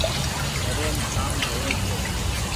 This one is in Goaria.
گهريم ٺآم ڌووي ڇي ۔